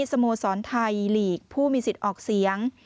สโมสรไทยลีกผู้มีสิทธิ์ออกเสียง